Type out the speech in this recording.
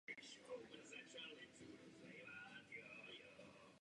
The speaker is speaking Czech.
Do stejného podrodu ještě patří asi deset dalších druhů.